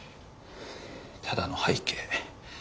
ただの背景。